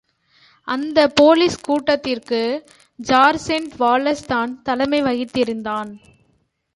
அந்தப் போலிஸ் கூட்டத்திற்கு சார்ஜென்டு வாலஸ்தான் தலைமை வகித்திருந்தான்.